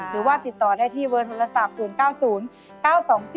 หรือว่าติดต่อได้ที่เวิร์นโทรศาสตร์๐๙๐๙๒๔๗๗๘๘ค่ะ